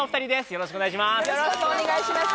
よろしくお願いします